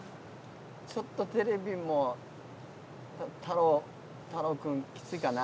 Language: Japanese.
ちょっとテレビも太郎太郎君きついかな？